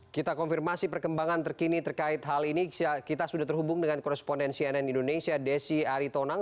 kita konfirmasi perkembangan terkini terkait hal ini kita sudah terhubung dengan koresponden cnn indonesia desi aritonang